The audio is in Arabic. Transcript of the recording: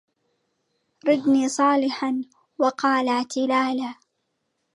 ردني صالح وقال اعتلالا